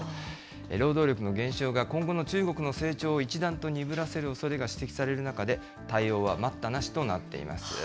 労働力の減少が今後の中国の成長を一段と鈍らせるおそれが指摘される中で、対応は待ったなしとなっています。